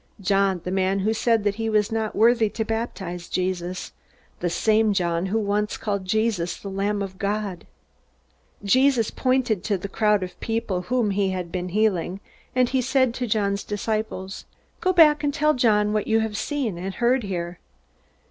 John, the man who had said that he was not worthy to baptize Jesus; the same John who once called Jesus the Lamb of God! Jesus pointed to the crowd of people whom he had been healing, and he said to John's disciples: "Go back and tell John what you have seen and heard here.